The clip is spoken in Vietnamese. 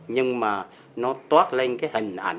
nhưng mà nó toát lên cái hình ảnh